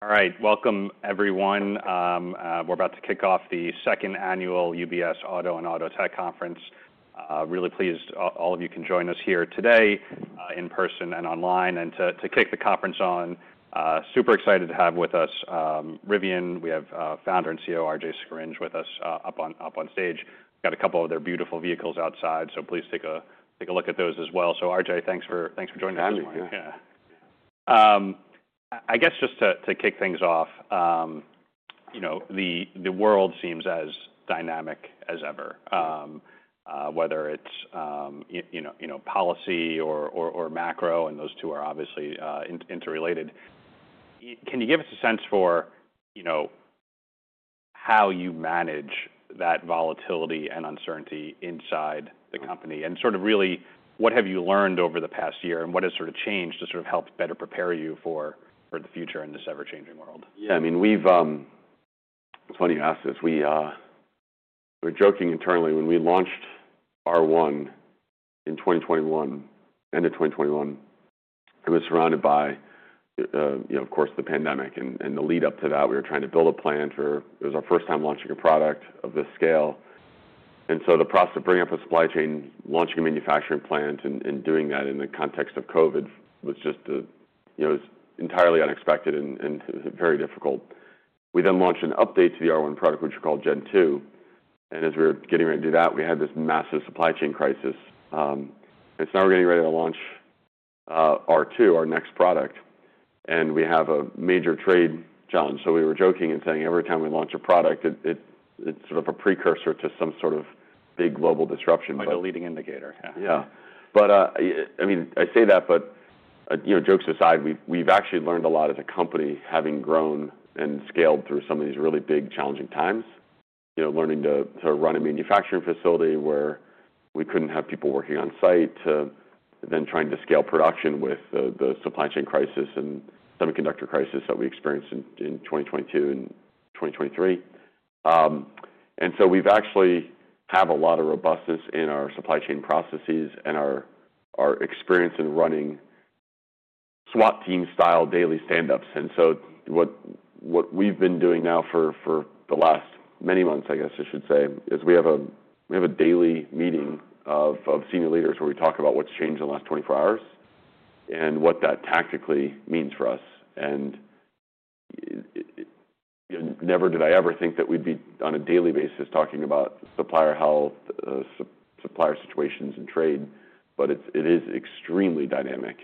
All right. Welcome, everyone. We're about to kick off the second annual UBS Auto and Auto Tech Conference. Really pleased all of you can join us here today, in person and online. To kick the conference on, super excited to have with us Rivian. We have Founder and CEO RJ Scaringe with us, up on stage. Got a couple of their beautiful vehicles outside, so please take a look at those as well. RJ, thanks for joining us this morning. Happy to be here. Yeah. I guess just to, to kick things off, you know, the world seems as dynamic as ever. Whether it's, you know, policy or macro, and those two are obviously interrelated. Can you give us a sense for, you know, how you manage that volatility and uncertainty inside the company? And sort of really, what have you learned over the past year, and what has sort of changed to sort of help better prepare you for the future in this ever-changing world? Yeah. I mean, we've, it's funny you ask this. We, we're joking internally. When we launched R1 in 2021, end of 2021, it was surrounded by, you know, of course, the pandemic. In the lead-up to that, we were trying to build a plant. It was our first time launching a product of this scale. The process of bringing up a supply chain, launching a manufacturing plant, and doing that in the context of COVID was just, you know, it was entirely unexpected and very difficult. We then launched an update to the R1 product, which we called Gen 2. As we were getting ready to do that, we had this massive supply chain crisis. Now we're getting ready to launch R2, our next product. We have a major trade challenge. We were joking and saying every time we launch a product, it, it's sort of a precursor to some sort of big global disruption. Quite a leading indicator. Yeah. Yeah. I mean, I say that, but, you know, jokes aside, we've actually learned a lot as a company, having grown and scaled through some of these really big, challenging times. You know, learning to run a manufacturing facility where we couldn't have people working on-site, then trying to scale production with the supply chain crisis and semiconductor crisis that we experienced in 2022 and 2023. We've actually had a lot of robustness in our supply chain processes and our experience in running SWAT team-style daily stand-ups. What we've been doing now for the last many months, I guess I should say, is we have a daily meeting of senior leaders where we talk about what's changed in the last 24 hours and what that tactically means for us. You know, never did I ever think that we'd be on a daily basis talking about supplier health, supplier situations in trade. It is extremely dynamic.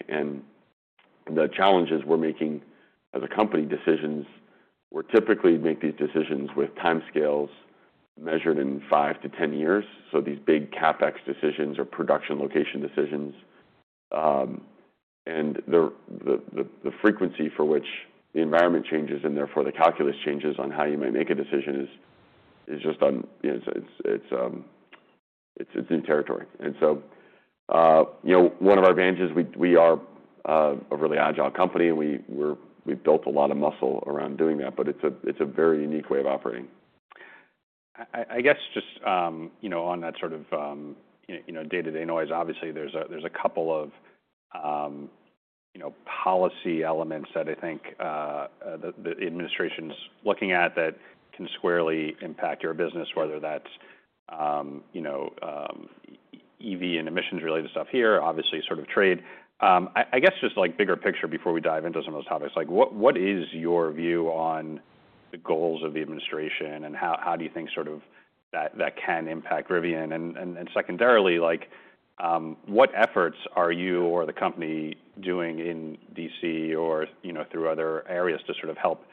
The challenges we're making as a company, decisions, we typically make these decisions with time scales measured in 5-10 years. These big CapEx decisions or production location decisions, the frequency for which the environment changes and therefore the calculus changes on how you might make a decision is just, you know, it's new territory. One of our advantages, we are a really agile company, and we've built a lot of muscle around doing that. It's a very unique way of operating. I guess just, you know, on that sort of, you know, day-to-day noise, obviously there's a couple of, you know, policy elements that I think the administration's looking at that can squarely impact your business, whether that's, you know, EV and emissions-related stuff here, obviously sort of trade. I guess just like bigger picture before we dive into some of those topics, like what is your view on the goals of the administration and how do you think sort of that can impact Rivian? And secondarily, like, what efforts are you or the company doing in D.C. or, you know, through other areas to sort of help,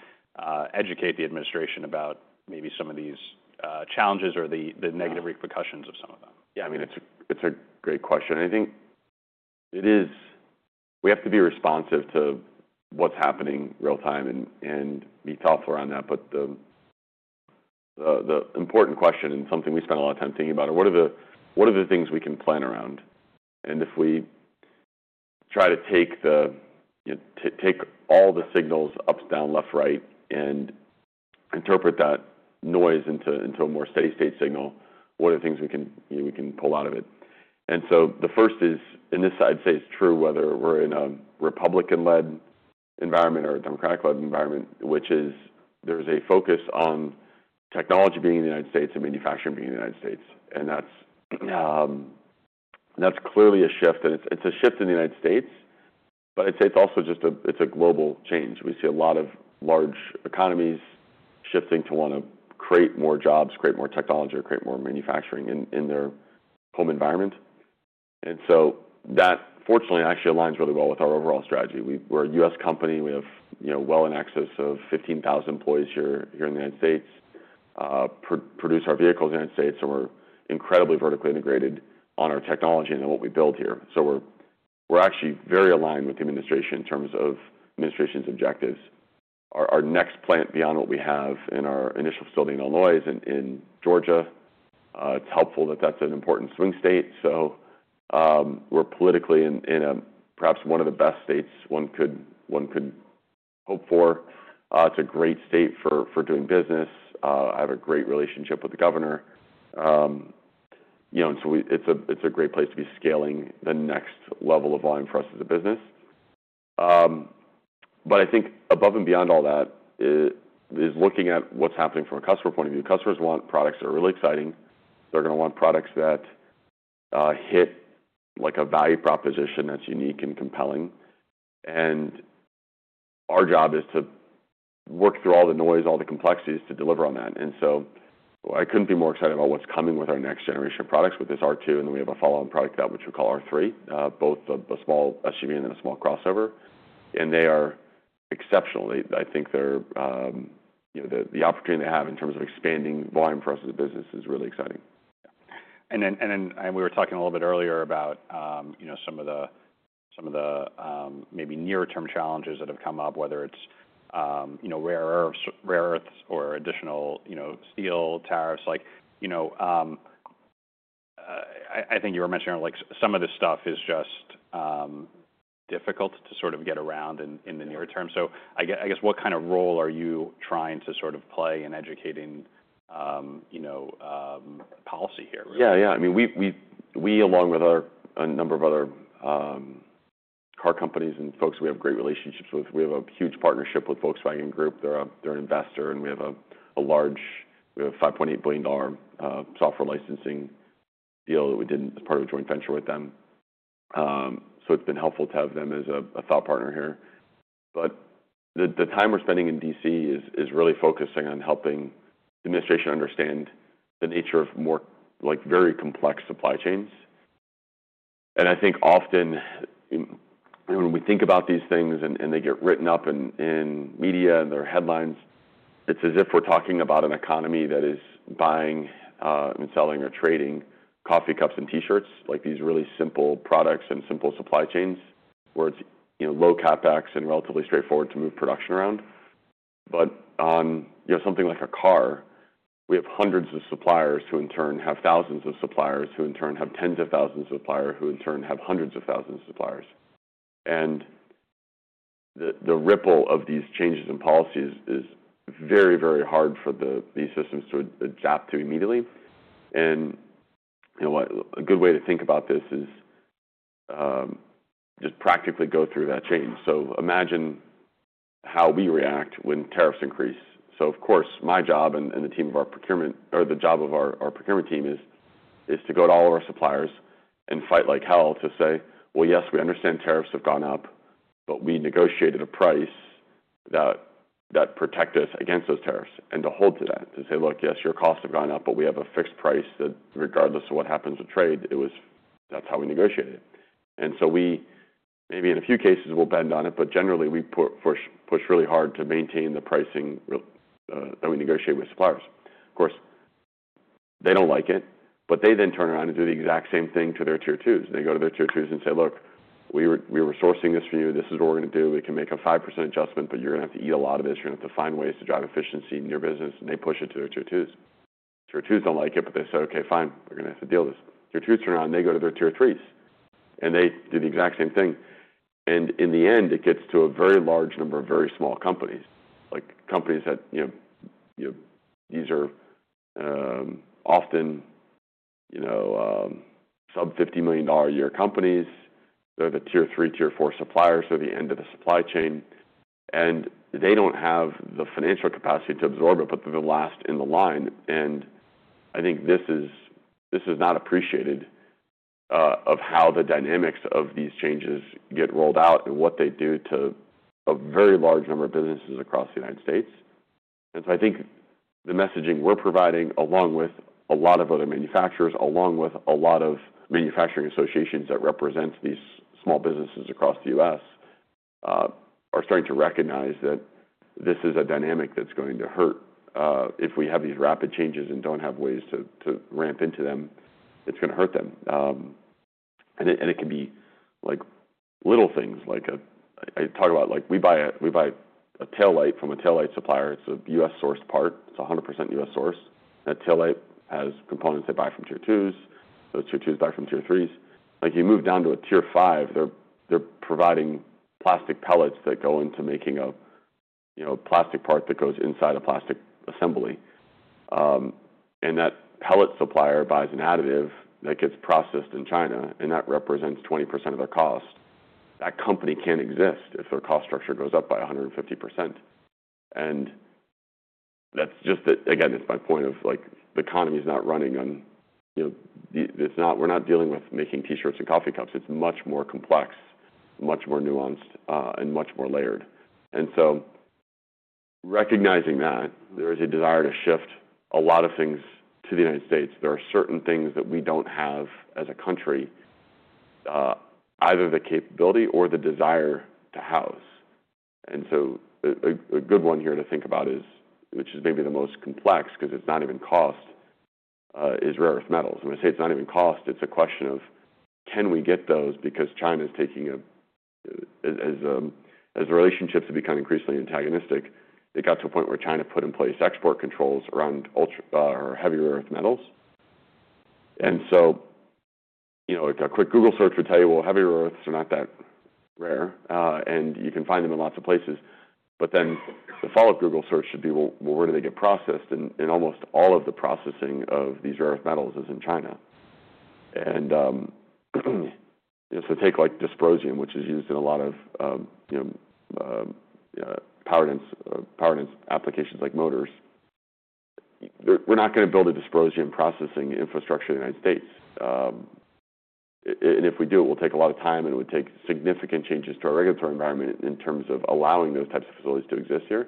educate the administration about maybe some of these challenges or the negative repercussions of some of them? Yeah. I mean, it's a great question. I think it is, we have to be responsive to what's happening real-time and be thoughtful around that. The important question and something we spend a lot of time thinking about, what are the things we can plan around? If we try to take the, you know, take all the signals up, down, left, right, and interpret that noise into a more steady-state signal, what are the things we can, you know, we can pull out of it? The first is, and this I'd say is true whether we're in a Republican-led environment or a Democratic-led environment, which is there's a focus on technology being in the U.S. and manufacturing being in the U.S.. That's clearly a shift. It is a shift in the U.S., but I'd say it's also just a global change. We see a lot of large economies shifting to want to create more jobs, create more technology, or create more manufacturing in their home environment. That, fortunately, actually aligns really well with our overall strategy. We're a U.S. Company. We have, you know, well in excess of 15,000 employees here in the U.S. produce our vehicles in the U.S. We're incredibly vertically integrated on our technology and on what we build here. We're actually very aligned with the administration in terms of the administration's objectives. Our next plant beyond what we have in our initial facility in Illinois is in Georgia. It's helpful that that's an important swing state. We're politically in perhaps one of the best states one could hope for. It's a great state for doing business. I have a great relationship with the governor, you know, and it's a great place to be scaling the next level of volume for us as a business. I think above and beyond all that is looking at what's happening from a customer point of view. Customers want products that are really exciting. They're gonna want products that hit a value proposition that's unique and compelling. Our job is to work through all the noise, all the complexities to deliver on that. I couldn't be more excited about what's coming with our next generation of products with this R2. We have a follow-on product that we call R3, both a small SUV and then a small crossover. They are exceptional. I think the opportunity they have in terms of expanding volume for us as a business is really exciting. We were talking a little bit earlier about, you know, some of the, maybe near-term challenges that have come up, whether it's, you know, rare earths or additional, you know, steel tariffs. Like, you know, I think you were mentioning earlier, like some of this stuff is just difficult to sort of get around in the near term. I guess what kind of role are you trying to sort of play in educating, you know, policy here? Yeah. Yeah. I mean, we, along with a number of other car companies and folks we have great relationships with, we have a huge partnership with Volkswagen Group. They're an investor. And we have a large, we have a $5.8 billion software licensing deal that we did as part of a joint venture with them. It's been helpful to have them as a thought partner here. The time we're spending in D.C. is really focusing on helping the administration understand the nature of more, like, very complex supply chains. I think often, you know, when we think about these things and they get written up in media and their headlines, it's as if we're talking about an economy that is buying, selling or trading coffee cups and T-shirts, like these really simple products and simple supply chains where it's, you know, low CapEx and relatively straightforward to move production around. On something like a car, we have hundreds of suppliers who in turn have thousands of suppliers who in turn have tens of thousands of suppliers who in turn have hundreds of thousands of suppliers. The ripple of these changes in policies is very, very hard for these systems to adapt to immediately. You know, what a good way to think about this is, just practically go through that change. Imagine how we react when tariffs increase. Of course, my job and the job of our procurement team is to go to all of our suppliers and fight like hell to say, "Well, yes, we understand tariffs have gone up, but we negotiated a price that protected us against those tariffs." To hold to that, to say, "Look, yes, your costs have gone up, but we have a fixed price that regardless of what happens with trade, it was, that's how we negotiated it." Maybe in a few cases we will bend on it, but generally we push really hard to maintain the pricing that we negotiate with suppliers. Of course, they do not like it, but they then turn around and do the exact same thing to their Tier 2s. They go to their Tier 2s and say, "Look, we were sourcing this for you. This is what we're gonna do. We can make a 5% adjustment, but you're gonna have to eat a lot of this. You're gonna have to find ways to drive efficiency in your business." They push it to their Tier 2s. Tier 2s do not like it, but they say, "Okay. Fine. We're gonna have to deal with this." Tier 2s turn around, they go to their Tier 3s and they do the exact same thing. In the end, it gets to a very large number of very small companies, like companies that, you know, these are, often, you know, sub $50 million a year companies. They're the Tier 3, Tier 4 suppliers to the end of the supply chain. They do not have the financial capacity to absorb it, but they are the last in the line. I think this is not appreciated, of how the dynamics of these changes get rolled out and what they do to a very large number of businesses across the U.S. I think the messaging we are providing, along with a lot of other manufacturers, along with a lot of manufacturing associations that represent these small businesses across the U.S., are starting to recognize that this is a dynamic that is going to hurt. If we have these rapid changes and do not have ways to ramp into them, it is going to hurt them. It can be little things like, I talk about, like we buy a taillight from a taillight supplier. It is a U.S.-sourced part. It is 100% U.S.-sourced. That taillight has components they buy from Tier 2s. Those Tier 2s buy from Tier 3s. Like you move down to a Tier 5, they're providing plastic pellets that go into making a, you know, a plastic part that goes inside a plastic assembly. That pellet supplier buys an additive that gets processed in China, and that represents 20% of their cost. That company can't exist if their cost structure goes up by 150%. That's just, again, it's my point of like the economy's not running on, you know, it's not, we're not dealing with making T-shirts and coffee cups. It's much more complex, much more nuanced, and much more layered. Recognizing that there is a desire to shift a lot of things to the U.S., there are certain things that we do not have as a country, either the capability or the desire to house. A good one here to think about, which is maybe the most complex because it is not even cost, is rare earth metals. When I say it is not even cost, it is a question of can we get those because China is taking a, as the relationships have become increasingly antagonistic, it got to a point where China put in place export controls around ultra, or heavier earth metals. You know, like a quick Google search would tell you, heavier earths are not that rare, and you can find them in lots of places. The follow-up Google search should be, well, where do they get processed? Almost all of the processing of these rare earth metals is in China. You know, take like dysprosium, which is used in a lot of, you know, power dense applications like motors. We're not gonna build a dysprosium processing infrastructure in the U.S., and if we do, it will take a lot of time, and it would take significant changes to our regulatory environment in terms of allowing those types of facilities to exist here.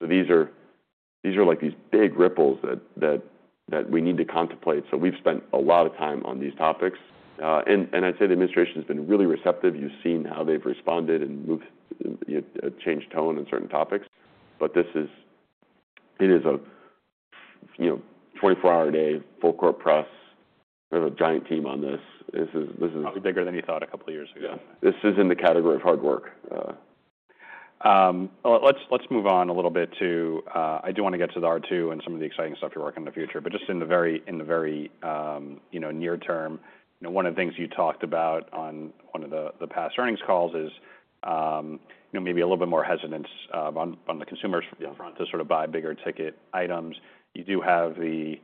These are like these big ripples that we need to contemplate. We've spent a lot of time on these topics, and I'd say the administration's been really receptive. You've seen how they've responded and moved, you know, changed tone on certain topics. It is a, you know, 24-hour-a-day full-court press. We have a giant team on this. This is, this is. Probably bigger than you thought a couple of years ago. Yeah. This is in the category of hard work. Let's move on a little bit to, I do wanna get to the R2 and some of the exciting stuff you're working on in the future. But just in the very, you know, near term, you know, one of the things you talked about on one of the past earnings calls is, you know, maybe a little bit more hesitance, on the consumer's front to sort of buy bigger ticket items. You do have the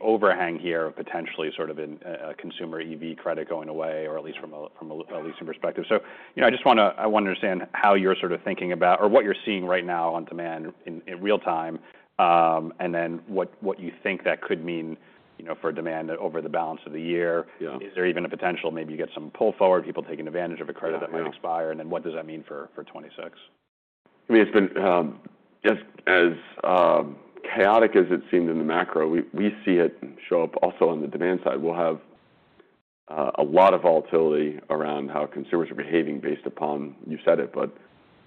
overhang here of potentially sort of a consumer EV credit going away or at least from a, at least in perspective. You know, I just wanna, I wanna understand how you're sort of thinking about or what you're seeing right now on demand in, in real time, and then what you think that could mean, you know, for demand over the balance of the year. Yeah. Is there even a potential, maybe you get some pull forward, people taking advantage of a credit that might expire? Yeah. What does that mean for, for 2026? I mean, it's been, as chaotic as it seemed in the macro, we see it show up also on the demand side. We'll have a lot of volatility around how consumers are behaving based upon, you said it, but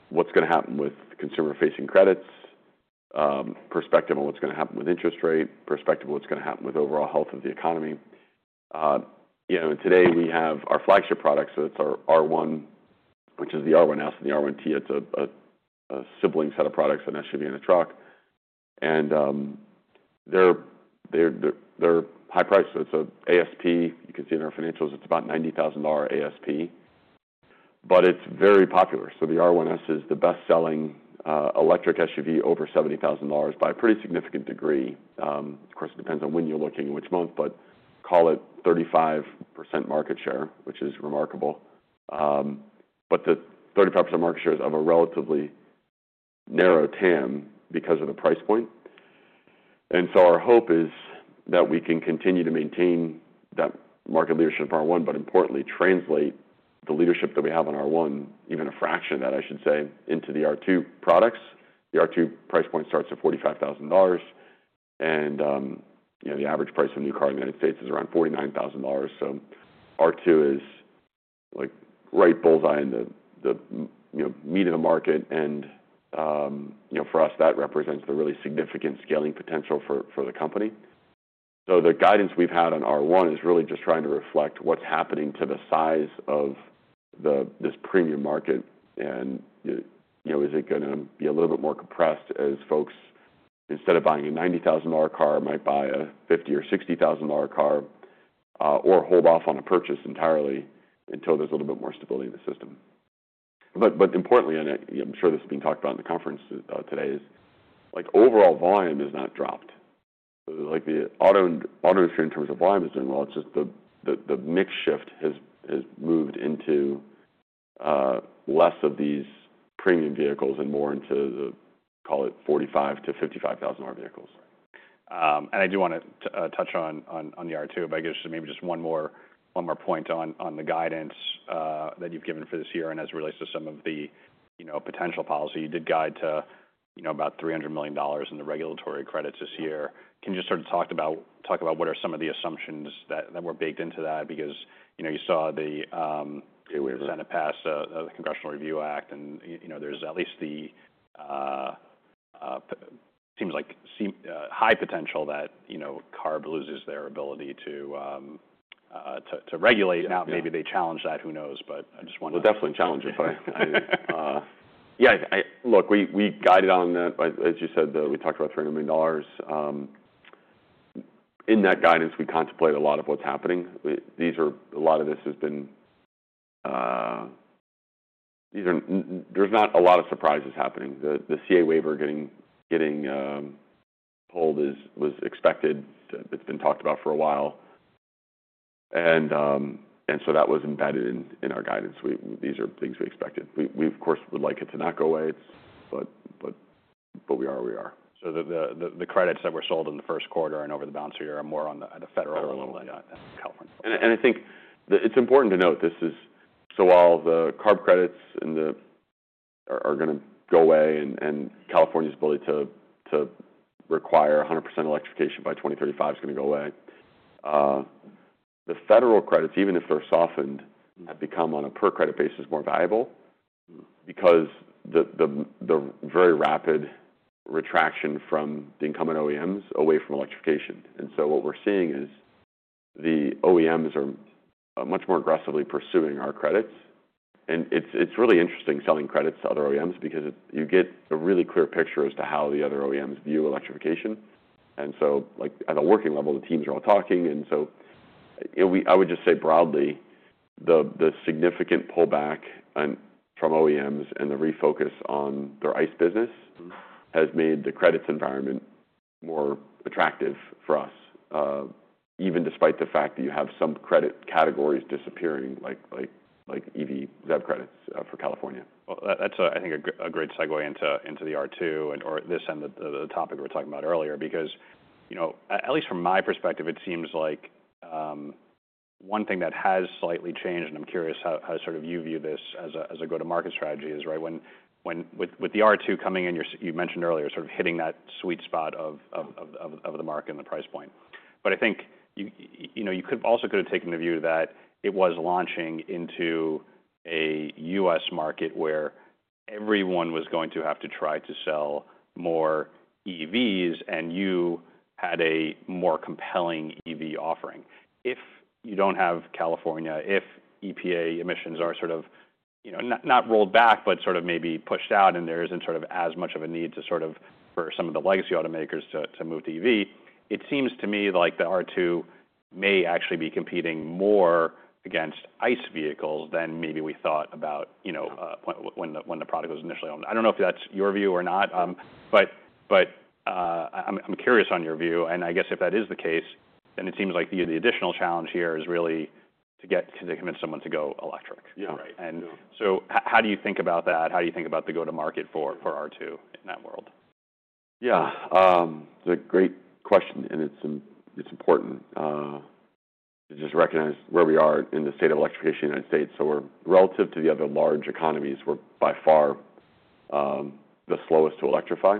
what's gonna happen with consumer-facing credits, perspective on what's gonna happen with interest rate, perspective of what's gonna happen with overall health of the economy. You know, and today we have our flagship products, so it's our R1, which is the R1S and the R1T. It's a sibling set of products, an SUV and a truck. They're high priced. So it's a ASP. You can see in our financials, it's about $90,000 ASP, but it's very popular. The R1S is the best-selling electric SUV over $70,000 by a pretty significant degree. Of course, it depends on when you're looking and which month, but call it 35% market share, which is remarkable. The 35% market share is of a relatively narrow TAM because of the price point. Our hope is that we can continue to maintain that market leadership in R1, but importantly, translate the leadership that we have on R1, even a fraction of that, I should say, into the R2 products. The R2 price point starts at $45,000. You know, the average price of a new car in the U.S. is around $49,000. R2 is like right bullseye in the, you know, meat of the market. You know, for us, that represents the really significant scaling potential for the company. The guidance we've had on R1 is really just trying to reflect what's happening to the size of this premium market. You know, is it gonna be a little bit more compressed as folks, instead of buying a $90,000 car, might buy a $50,000 or $60,000 car, or hold off on a purchase entirely until there's a little bit more stability in the system. Importantly, and I, you know, I'm sure this has been talked about in the conference today, overall volume has not dropped. The auto industry in terms of volume is doing well. It's just the mix shift has moved into less of these premium vehicles and more into the, call it $45,000-$55,000 vehicles. I do wanna touch on the R2, but I guess just maybe one more point on the guidance that you've given for this year and as it relates to some of the, you know, potential policy. You did guide to about $300 million in the regulatory credits this year. Can you just sort of talk about what are some of the assumptions that were baked into that? Because, you know, you saw the, Yeah. We have. Senate passed the Congressional Review Act. You know, there's at least the, seems like, high potential that, you know, car loses their ability to regulate. Now maybe they challenge that. Who knows? I just wanna. We'll definitely challenge it, but I, yeah, I look, we guided on that, as you said, we talked about $300 million. In that guidance, we contemplate a lot of what's happening. A lot of this has been, there's not a lot of surprises happening. The CA waiver getting pulled was expected. It's been talked about for a while. That was embedded in our guidance. These are things we expected. We, of course, would like it to not go away. It's, but we are where we are. The credits that were sold in the first quarter and over the balance of the year are more on the federal. Federal level. Yeah. California. I think it's important to note this is, so while the CARB credits are gonna go away and California's ability to require 100% electrification by 2035 is gonna go away, the federal credits, even if they're softened, have become on a per credit basis more valuable because the very rapid retraction from the incumbent OEMs away from electrification. What we're seeing is the OEMs are much more aggressively pursuing our credits. It's really interesting selling credits to other OEMs because you get a really clear picture as to how the other OEMs view electrification. Like at a working level, the teams are all talking. You know, we, I would just say broadly, the significant pullback from OEMs and the refocus on their ICE business has made the credits environment more attractive for us, even despite the fact that you have some credit categories disappearing like EV ZEB credits for California. That's a great segue into the R2 and the topic we were talking about earlier because, you know, at least from my perspective, it seems like one thing that has slightly changed, and I'm curious how you view this as a go-to-market strategy is, right, with the R2 coming in, you mentioned earlier, sort of hitting that sweet spot of the market and the price point. I think you could also have taken the view that it was launching into a U.S. market where everyone was going to have to try to sell more EVs and you had a more compelling EV offering. If you do not have California, if EPA emissions are sort of, you know, not, not rolled back, but sort of maybe pushed out and there is not sort of as much of a need to sort of for some of the legacy automakers to, to move to EV, it seems to me like the R2 may actually be competing more against ICE vehicles than maybe we thought about, you know, when, when the, when the product was initially owned. I do not know if that is your view or not, but, but, I am, I am curious on your view. I guess if that is the case, then it seems like the, the additional challenge here is really to get, to convince someone to go electric. Yeah. Right. How do you think about that? How do you think about the go-to-market for R2 in that world? Yeah. It's a great question and it's important to just recognize where we are in the state of electrification in the U.S. We're, relative to the other large economies, by far the slowest to electrify.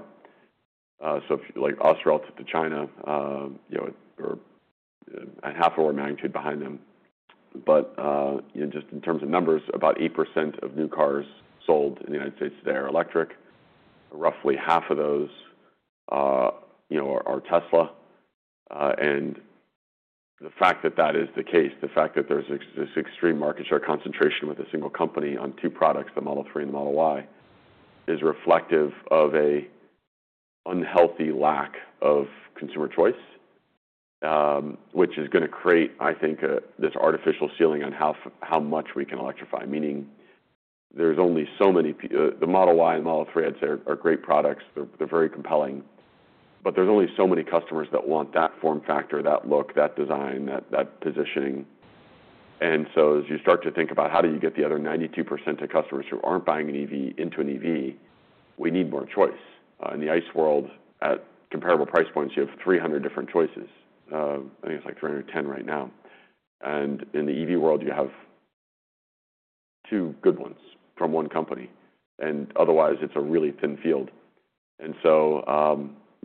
If you look at us relative to China, we're a half of our magnitude behind them. Just in terms of numbers, about 8% of new cars sold in the U.S. today are electric. Roughly half of those are Tesla. The fact that that is the case, the fact that there's this extreme market share concentration with a single company on two products, the Model 3 and the Model Y, is reflective of an unhealthy lack of consumer choice, which is going to create, I think, this artificial ceiling on how much we can electrify. Meaning there's only so many, the Model Y and Model 3, I'd say, are great products. They're very compelling, but there's only so many customers that want that form factor, that look, that design, that positioning. As you start to think about how do you get the other 92% of customers who aren't buying an EV into an EV, we need more choice. In the ICE world, at comparable price points, you have 300 different choices. I think it's like 310 right now. In the EV world, you have two good ones from one company. Otherwise, it's a really thin field. You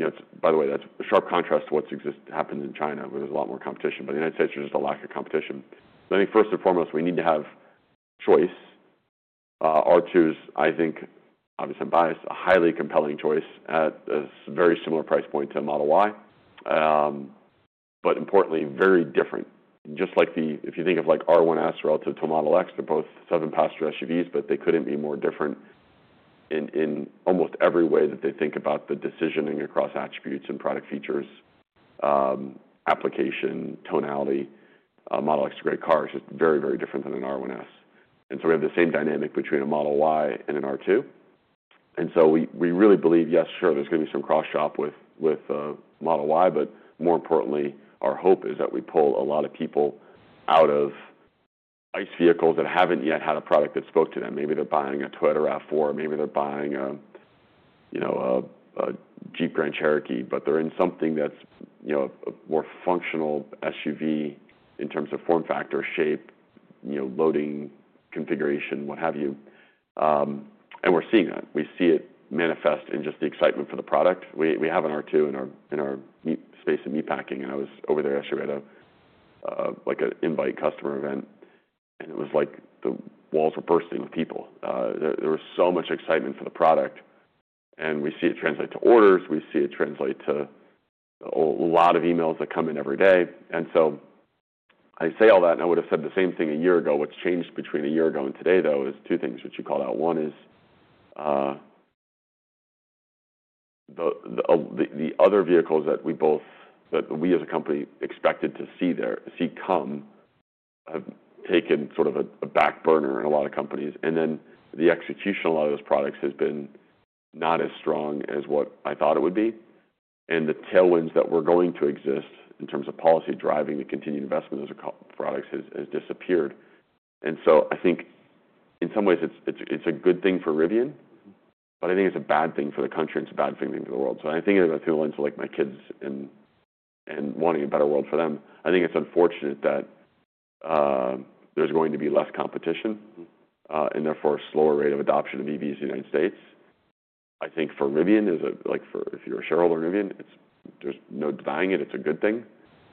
know, by the way, that's a sharp contrast to what's happened in China where there's a lot more competition. In the U.S., there's just a lack of competition. I think first and foremost, we need to have choice. R2's, I think, obviously I'm biased, a highly compelling choice at a very similar price point to Model Y, but importantly, very different. If you think of like R1S relative to Model X, they're both seven-passenger SUVs, but they couldn't be more different in almost every way that they think about the decisioning across attributes and product features, application, tonality. Model X is a great car. It's just very, very different than an R1S. We have the same dynamic between a Model Y and an R2. We really believe, yes, sure, there's gonna be some cross-shop with Model Y, but more importantly, our hope is that we pull a lot of people out of ICE vehicles that haven't yet had a product that spoke to them. Maybe they're buying a Toyota RAV4. Maybe they're buying a, you know, a Jeep Grand Cherokee, but they're in something that's, you know, a more functional SUV in terms of form factor, shape, loading configuration, what have you. We're seeing that. We see it manifest in just the excitement for the product. We have an R2 in our, in our meat space in Meatpacking. I was over there yesterday at a, like an invite customer event, and it was like the walls were bursting with people. There was so much excitement for the product. We see it translate to orders. We see it translate to a lot of emails that come in every day. I say all that, and I would have said the same thing a year ago. What's changed between a year ago and today, though, is two things, which you called out. One is, the other vehicles that we as a company expected to see come have taken sort of a back burner in a lot of companies. The execution of a lot of those products has been not as strong as what I thought it would be. The tailwinds that were going to exist in terms of policy driving the continued investment in those products has disappeared. I think in some ways, it's a good thing for Rivian, but I think it's a bad thing for the country and it's a bad thing for the world. I think of the tailwinds like my kids and wanting a better world for them. I think it's unfortunate that there's going to be less competition, and therefore a slower rate of adoption of EVs in the U.S. I think for Rivian, if you're a shareholder of Rivian, there's no denying it. It's a good thing.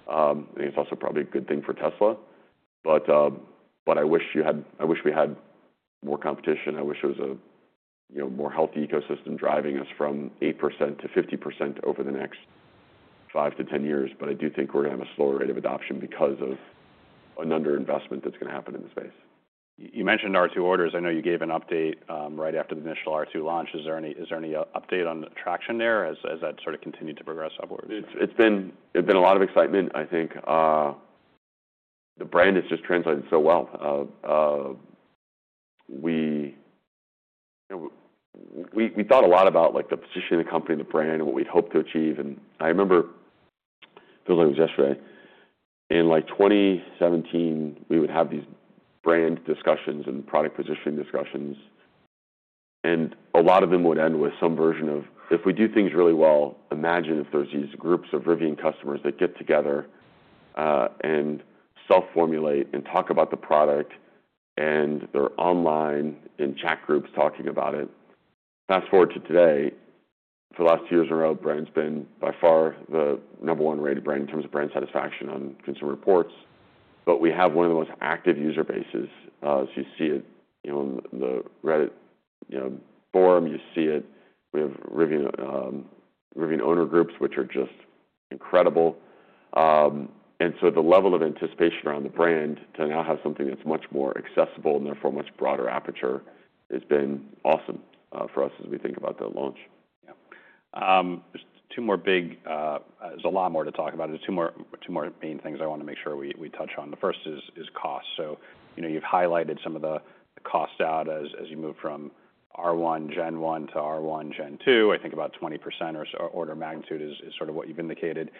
I think it's also probably a good thing for Tesla. I wish we had more competition. I wish it was a more healthy ecosystem driving us from 8% to 50% over the next 5 to 10 years. I do think we're gonna have a slower rate of adoption because of an underinvestment that's gonna happen in the space. You mentioned R2 orders. I know you gave an update right after the initial R2 launch. Is there any update on traction there as that sort of continued to progress upwards? It's been, there's been a lot of excitement, I think. The brand has just translated so well. We, you know, we thought a lot about like the position of the company, the brand, and what we'd hope to achieve. I remember, it feels like it was yesterday, in like 2017, we would have these brand discussions and product positioning discussions. A lot of them would end with some version of, if we do things really well, imagine if there's these groups of Rivian customers that get together, and self-formulate and talk about the product and they're online in chat groups talking about it. Fast forward to today, for the last two years in a row, brand's been by far the number one rated brand in terms of brand satisfaction on consumer reports. We have one of the most active user bases. You see it, you know, on the Reddit, you know, forum, you see it. We have Rivian, Rivian owner groups, which are just incredible, and so the level of anticipation around the brand to now have something that's much more accessible and therefore much broader aperture has been awesome for us as we think about the launch. Yeah. Just two more big, there's a lot more to talk about. There's two more, two more main things I wanna make sure we touch on. The first is cost. So, you know, you've highlighted some of the costs out as you move from R1 Gen 1 to R1 Gen 2. I think about 20% or so, or order of magnitude is sort of what you've indicated.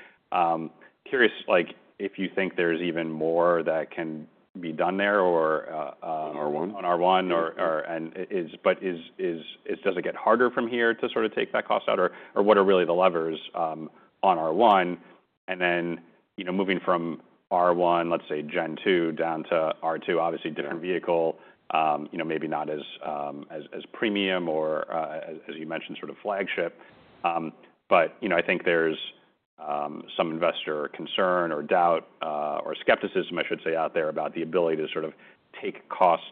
Curious, like if you think there's even more that can be done there or, On R1? On R1, does it get harder from here to sort of take that cost out or what are really the levers on R1? And then, you know, moving from R1, let's say Gen 2 down to R2, obviously different vehicle, you know, maybe not as premium or, as you mentioned, sort of flagship. But, you know, I think there's some investor concern or doubt, or skepticism, I should say, out there about the ability to sort of take cost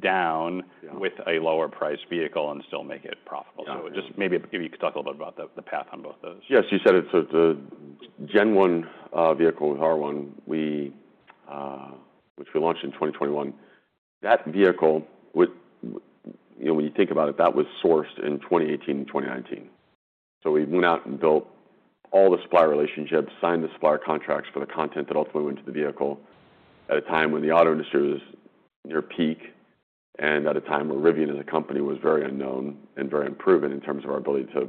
down with a lower price vehicle and still make it profitable. So just maybe if you could talk a little bit about the path on both those. Yes. You said it's a, the Gen 1 vehicle with R1, which we launched in 2021. That vehicle was, you know, when you think about it, that was sourced in 2018 and 2019. We went out and built all the supplier relationships, signed the supplier contracts for the content that ultimately went to the vehicle at a time when the auto industry was near peak and at a time where Rivian as a company was very unknown and very unproven in terms of our ability to,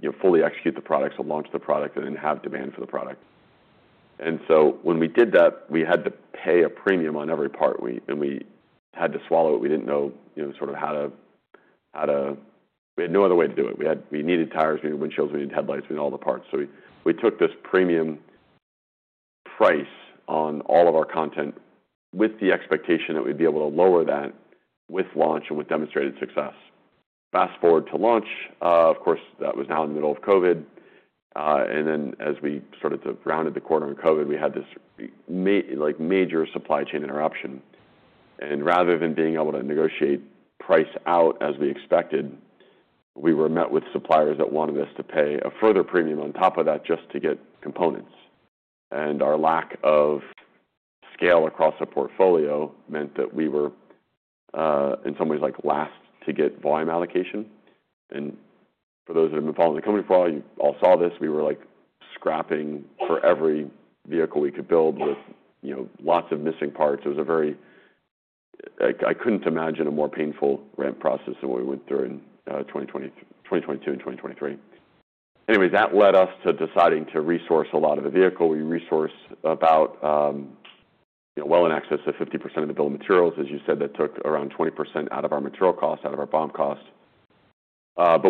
you know, fully execute the products and launch the product and then have demand for the product. When we did that, we had to pay a premium on every part and we had to swallow it. We didn't know, you know, sort of how to, how to, we had no other way to do it. We had, we needed tires, we needed windshields, we needed headlights, we needed all the parts. We took this premium price on all of our content with the expectation that we'd be able to lower that with launch and with demonstrated success. Fast forward to launch, of course, that was now in the middle of COVID. As we started to round the corner in COVID, we had this major supply chain interruption. Rather than being able to negotiate price out as we expected, we were met with suppliers that wanted us to pay a further premium on top of that just to get components. Our lack of scale across a portfolio meant that we were, in some ways, like last to get volume allocation. For those that have been following the company for a while, you all saw this, we were like scrapping for every vehicle we could build with, you know, lots of missing parts. It was a very, like, I could not imagine a more painful ramp process than what we went through in 2020, 2022 and 2023. Anyways, that led us to deciding to resource a lot of the vehicle. We resourced about, you know, well in excess of 50% of the bill of materials. As you said, that took around 20% out of our material cost, out of our BOM cost.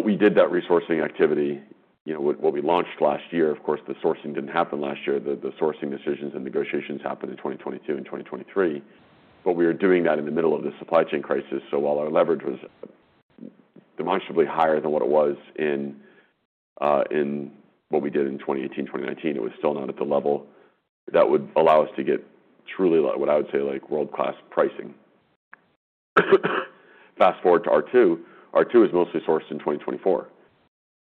We did that resourcing activity, you know, what we launched last year. Of course, the sourcing did not happen last year. The sourcing decisions and negotiations happened in 2022 and 2023. We were doing that in the middle of the supply chain crisis. While our leverage was demonstrably higher than what it was in what we did in 2018, 2019, it was still not at the level that would allow us to get truly what I would say like world-class pricing. Fast forward to R2. R2 was mostly sourced in 2024.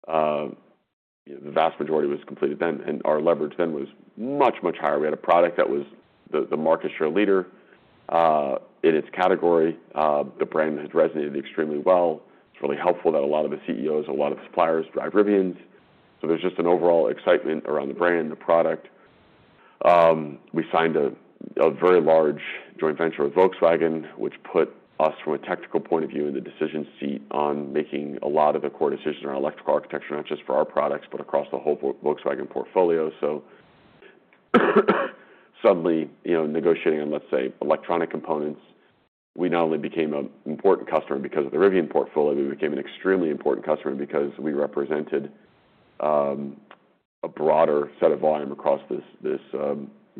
You know, the vast majority was completed then, and our leverage then was much, much higher. We had a product that was the market share leader in its category. The brand had resonated extremely well. It's really helpful that a lot of the CEOs, a lot of the suppliers drive Rivian's. So there's just an overall excitement around the brand, the product. We signed a very large joint venture with Volkswagen, which put us from a technical point of view in the decision seat on making a lot of the core decisions around electrical architecture, not just for our products, but across the whole Volkswagen portfolio. Suddenly, you know, negotiating on, let's say, electronic components, we not only became an important customer because of the Rivian portfolio, we became an extremely important customer because we represented a broader set of volume across this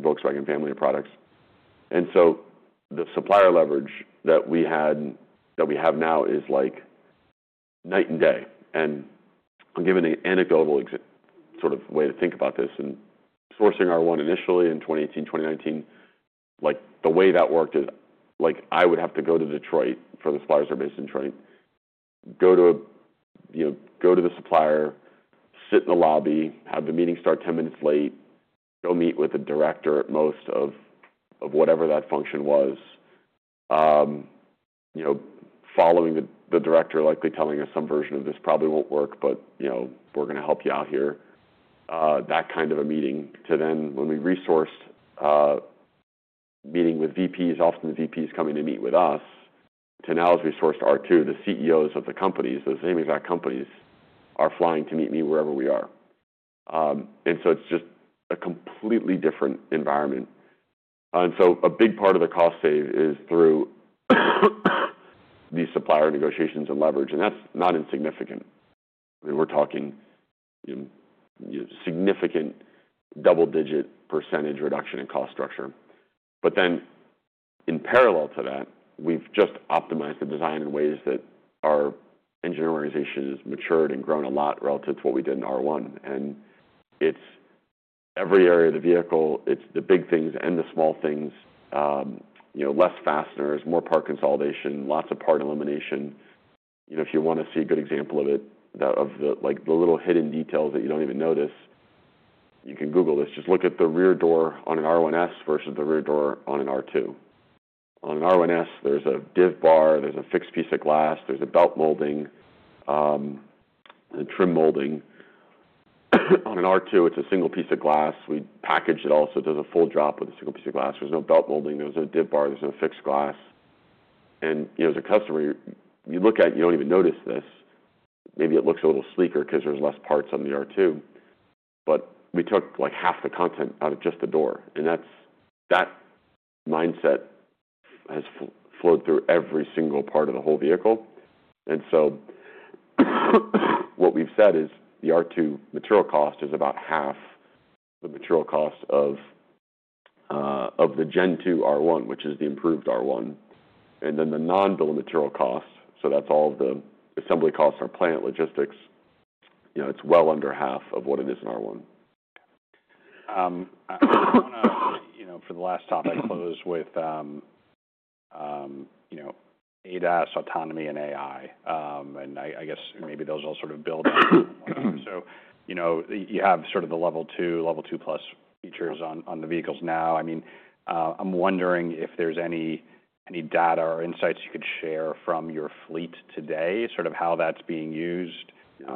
Volkswagen family of products. The supplier leverage that we have now is like night and day. I'll give an anecdotal ex sort of way to think about this. Sourcing R1 initially in 2018, 2019, like the way that worked is like I would have to go to Detroit for the suppliers that are based in Detroit, go to a, you know, go to the supplier, sit in the lobby, have the meeting start 10 minutes late, go meet with the director at most of, of whatever that function was, you know, following the director likely telling us some version of this probably won't work, but, you know, we're gonna help you out here. That kind of a meeting to then when we resourced, meeting with VPs, often the VPs coming to meet with us, to now as we sourced R2, the CEOs of the companies, those same exact companies are flying to meet me wherever we are. It is just a completely different environment. A big part of the cost save is through these supplier negotiations and leverage. That is not insignificant. I mean, we're talking, you know, significant double-digit percentage reduction in cost structure. In parallel to that, we've just optimized the design in ways that our engineering organization has matured and grown a lot relative to what we did in R1. It's every area of the vehicle, it's the big things and the small things, you know, less fasteners, more part consolidation, lots of part elimination. If you want to see a good example of it, of the little hidden details that you do not even notice, you can Google this. Just look at the rear door on an R1S versus the rear door on an R2. On an R1S, there's a div bar, there's a fixed piece of glass, there's a belt molding, and trim molding. On an R2, it's a single piece of glass. We package it all. It does a full drop with a single piece of glass. There's no belt molding, there's no div bar, there's no fixed glass. You know, as a customer, you look at, you don't even notice this. Maybe it looks a little sleeker 'cause there's less parts on the R2. We took like half the content out of just the door. That mindset has flowed through every single part of the whole vehicle. What we've said is the R2 material cost is about half the material cost of the Gen 2 R1, which is the improved R1. The non-bill of material cost, so that's all of the assembly costs or plant logistics, you know, it's well under half of what it is in R1. Okay. I wanna, you know, for the last topic, close with, you know, ADAS, autonomy, and AI. And I, I guess maybe those all sort of build on. So, you know, you have sort of the level two, level two plus features on, on the vehicles now. I mean, I'm wondering if there's any, any data or insights you could share from your fleet today, sort of how that's being used, you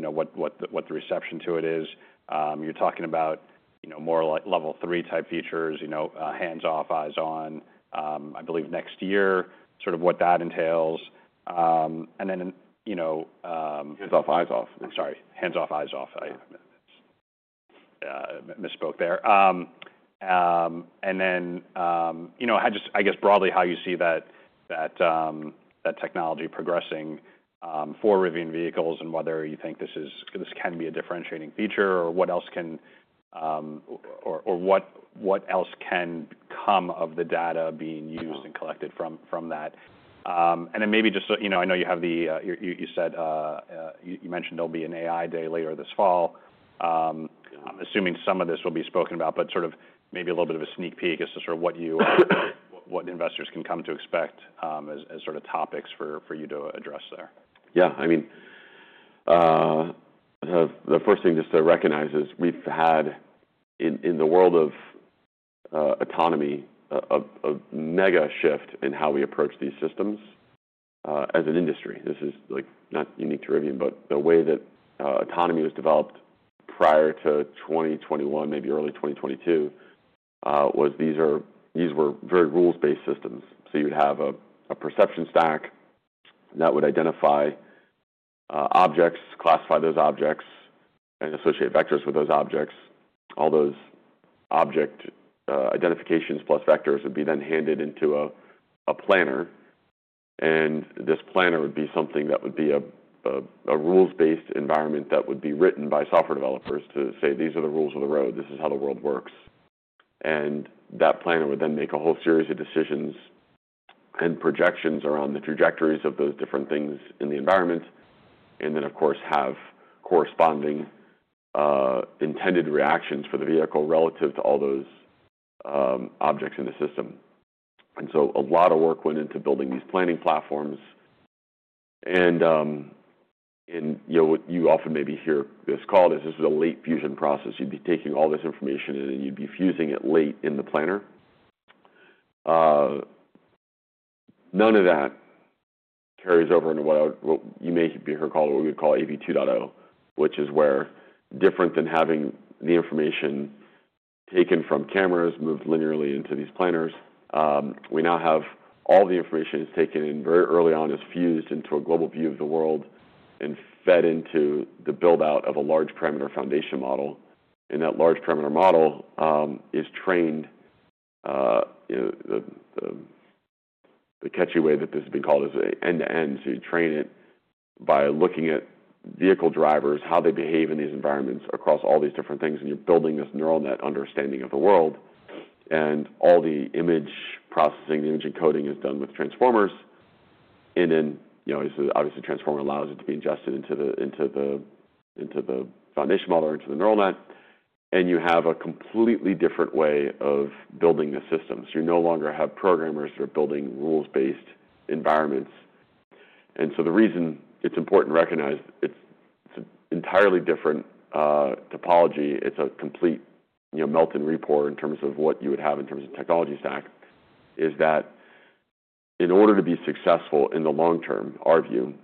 know, what, what the, what the reception to it is. You're talking about, you know, more like level three type features, you know, hands off, eyes on, I believe next year, sort of what that entails. And then, you know, Hands off, eyes off. I'm sorry. Hands off, eyes off. I misspoke there. And then, you know, I just, I guess broadly how you see that technology progressing for Rivian vehicles and whether you think this can be a differentiating feature or what else can, or what else can come of the data being used and collected from that. And then maybe just, you know, I know you have the, you said, you mentioned there'll be an AI day later this fall. I'm assuming some of this will be spoken about, but sort of maybe a little bit of a sneak peek as to sort of what you, what investors can come to expect, as sort of topics for you to address there. Yeah. I mean, the first thing just to recognize is we've had, in the world of autonomy, a mega shift in how we approach these systems, as an industry. This is not unique to Rivian, but the way that autonomy was developed prior to 2021, maybe early 2022, was these were very rules-based systems. You'd have a perception stack that would identify objects, classify those objects, and associate vectors with those objects. All those object identifications plus vectors would be then handed into a planner. This planner would be something that would be a rules-based environment that would be written by software developers to say, "These are the rules of the road. This is how the world works." That planner would then make a whole series of decisions and projections around the trajectories of those different things in the environment. Then, of course, have corresponding, intended reactions for the vehicle relative to all those objects in the system. A lot of work went into building these planning platforms. You know, what you often maybe hear this called is this was a late fusion process. You'd be taking all this information and then you'd be fusing it late in the planner. None of that carries over into what I would, what you may hear called, what we would call AV 2.0, which is where, different than having the information taken from cameras moved linearly into these planners. We now have all the information is taken in very early on, is fused into a global view of the world and fed into the buildout of a large perimeter foundation model. That large perimeter model is trained, you know, the catchy way that this has been called is end to end. You train it by looking at vehicle drivers, how they behave in these environments across all these different things, and you're building this neural net understanding of the world. All the image processing, the image encoding is done with transformers. Obviously, the transformer allows it to be ingested into the foundation model or into the neural net. You have a completely different way of building the system. You no longer have programmers that are building rules-based environments. The reason it's important to recognize it's an entirely different topology, it's a complete, you know, melt and repour in terms of what you would have in terms of technology stack, is that in order to be successful in the long term, our view,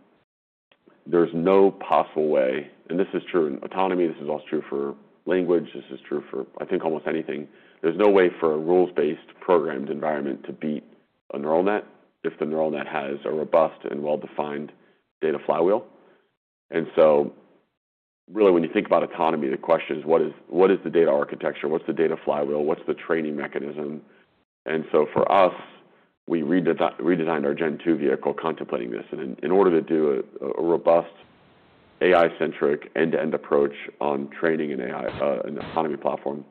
there's no possible way, and this is true in autonomy, this is also true for language, this is true for, I think, almost anything. There's no way for a rules-based programmed environment to beat a neural net if the neural net has a robust and well-defined data flywheel. Really, when you think about autonomy, the question is, what is the data architecture? What's the data flywheel? What's the training mechanism? For us, we redesigned our Gen 2 vehicle contemplating this. In order to do a robust AI-centric end to end approach on training an AI, an autonomy platform,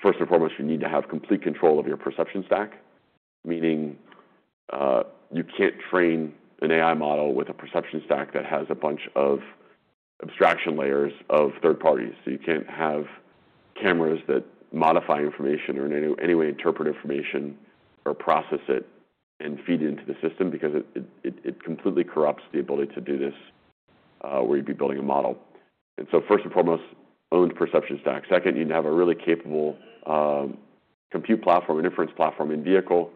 first and foremost, you need to have complete control of your perception stack, meaning, you cannot train an AI model with a perception stack that has a bunch of abstraction layers of third parties. You cannot have cameras that modify information or in any way interpret information or process it and feed it into the system because it completely corrupts the ability to do this, where you would be building a model. First and foremost, owned perception stack. Second, you would have a really capable compute platform, inference platform in vehicle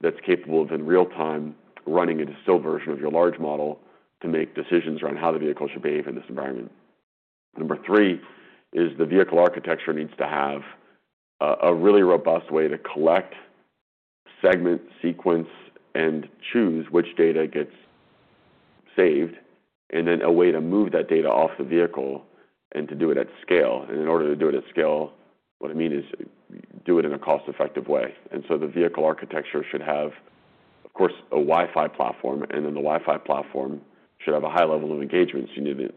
that is capable of in real time running a distilled version of your large model to make decisions around how the vehicle should behave in this environment. Number three is the vehicle architecture needs to have a really robust way to collect, segment, sequence, and choose which data gets saved, and then a way to move that data off the vehicle and to do it at scale. In order to do it at scale, what I mean is do it in a cost-effective way. The vehicle architecture should have, of course, a Wi-Fi platform, and then the Wi-Fi platform should have a high level of engagement. You need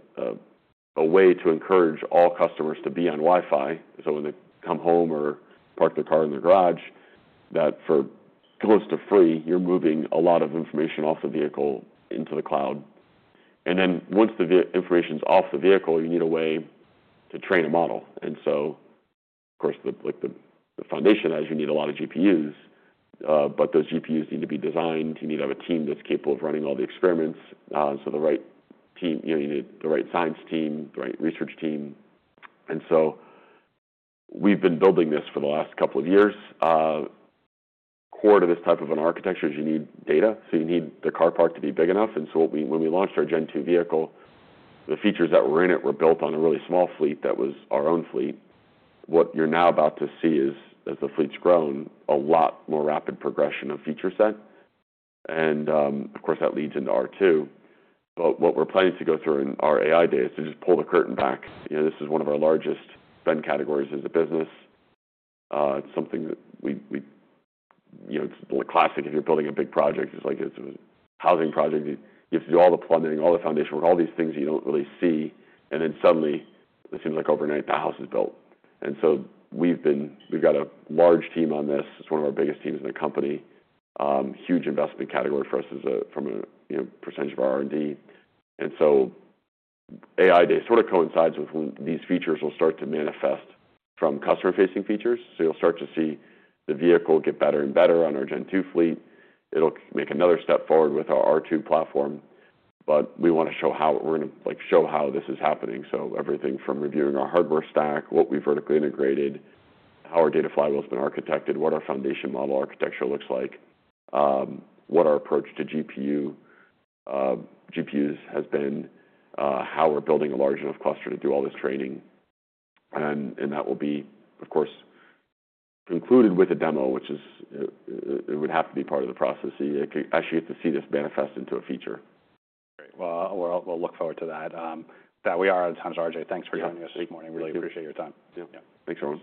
a way to encourage all customers to be on Wi-Fi. When they come home or park their car in the garage, for close to free, you are moving a lot of information off the vehicle into the cloud. Once the information is off the vehicle, you need a way to train a model. Of course, the foundation has you need a lot of GPUs, but those GPUs need to be designed. You need to have a team that's capable of running all the experiments. You need the right team, you know, you need the right science team, the right research team. We have been building this for the last couple of years. Core to this type of an architecture is you need data. You need the car park to be big enough. When we launched our Gen 2 vehicle, the features that were in it were built on a really small fleet that was our own fleet. What you are now about to see is, as the fleet's grown, a lot more rapid progression of feature set. Of course, that leads into R2. What we're planning to go through in our AI day is to just pull the curtain back. You know, this is one of our largest spend categories as a business. It's something that we, you know, it's the classic if you're building a big project, it's like it's a housing project. You have to do all the plumbing, all the foundation work, all these things you don't really see. Then suddenly, it seems like overnight the house is built. We've got a large team on this. It's one of our biggest teams in the company. Huge investment category for us is, from a percentage of our R&D. AI day sort of coincides with when these features will start to manifest from customer-facing features. You'll start to see the vehicle get better and better on our Gen 2 fleet. It'll make another step forward with our R2 platform. We wanna show how we're gonna, like, show how this is happening. Everything from reviewing our hardware stack, what we've vertically integrated, how our data flywheel has been architected, what our foundation model architecture looks like, what our approach to GPU, GPUs has been, how we're building a large enough cluster to do all this training. That will be, of course, included with a demo, which would have to be part of the process. You actually get to see this manifest into a feature. Great. We'll look forward to that. We are out of time, RJ. Thanks for joining us this morning. Really appreciate your time. Yeah. Thanks so much.